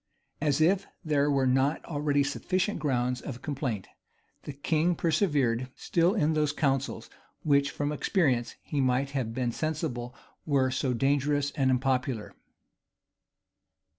As if there were not already sufficient grounds of complaint, the king persevered still in those counsels which, from experience, he might have been sensible were so dangerous and unpopular.